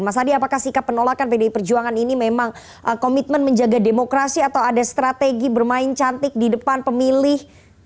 mas hadi apakah sikap penolakan pdi perjuangan ini memang komitmen menjaga demokrasi atau ada strategi bermain cantik di depan pemilih